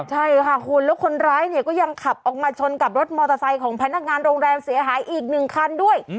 ใช่ค่ะคุณแล้วคนร้ายเนี่ยก็ยังขับออกมาชนกับรถมอเตอร์ไซค์ของพนักงานโรงแรมเสียหายอีกหนึ่งคันด้วย